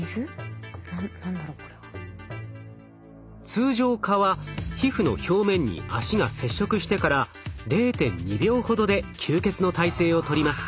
通常蚊は皮膚の表面に脚が接触してから０．２秒ほどで吸血の体勢をとります。